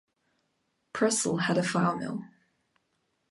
Purcell had a flour mill.